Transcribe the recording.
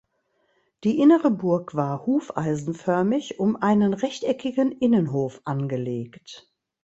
Die innere Burg war hufeisenförmig um einen rechteckigen Innenhof angelegt.